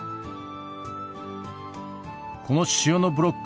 この塩のブロック